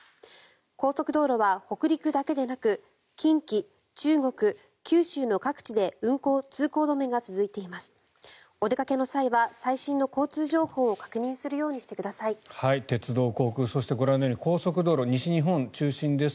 高速道路は北陸だけでなく近畿、中国、九州の各地で通行止めが続いています。